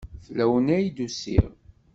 Fell-awen ay d-usiɣ.